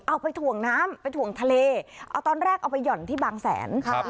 เอาไปถ่วงน้ำไปถ่วงทะเลเอาตอนแรกเอาไปห่อนที่บางแสน